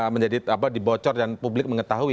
menjadi apa dibocor dan publik mengetahui